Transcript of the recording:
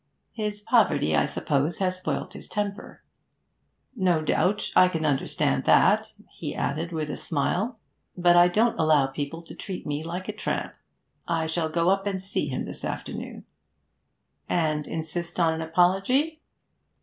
'His poverty, I suppose, has spoilt his temper.' 'No doubt, I can understand that,' he added, with a smile. 'But I don't allow people to treat me like a tramp. I shall go up and see him this afternoon.' 'And insist on an apology?'